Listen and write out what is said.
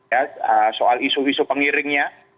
ya soal isu isu pengiringnya